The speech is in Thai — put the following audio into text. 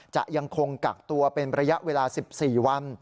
จะยังคงกักตัวเป็นระยะเวลา๑๔วัน